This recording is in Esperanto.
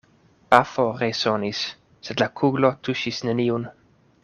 Pafo resonis; sed la kuglo tuŝis neniun.